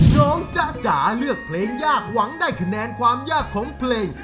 จ๊ะจ๋าเลือกเพลงยากหวังได้คะแนนความยากของเพลง